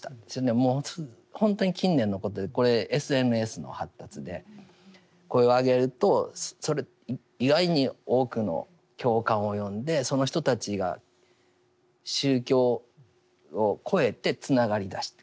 もう本当に近年のことでこれＳＮＳの発達で声を上げるとそれ意外に多くの共感を呼んでその人たちが宗教を超えてつながりだした。